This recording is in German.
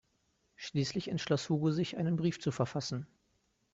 Schließlich entschloss Hugo sich, einen Brief zu verfassen.